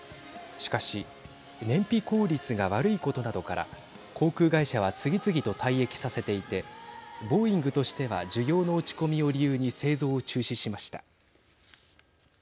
しかし燃費効率が悪いことなどから航空会社は次々と退役させていてボーイングとしては需要の落ち込みを理由に製造を中止しました。